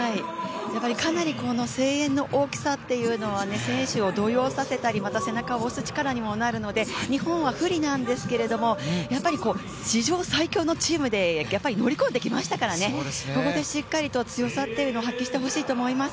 かなり声援の大きさというのは、選手のまた背中を押す力にもなるので、日本は不利なんですけれども史上最強のチームで乗り込んできましたからそこでしっかりと強さというのを発揮してほしいと思います。